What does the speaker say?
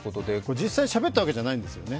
実際しゃべったわけじゃないんですよね。